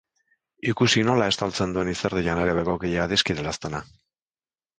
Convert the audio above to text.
Ikusi nola estaltzen duen izerdiak nire bekokia, adiskide laztana..